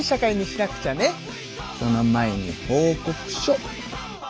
その前に報告書！